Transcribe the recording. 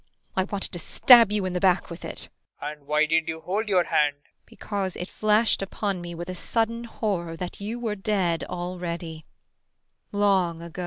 I wanted to stab you in the back with it. PROFESSOR RUBEK. [Darkly.] And why did you hold your hand? IRENE. Because it flashed upon me with a sudden horror that you were dead already long ago.